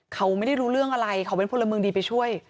เขาไม่ได้รู้เรื่องอะไรเขาเป็นพลเมืองดีไปช่วย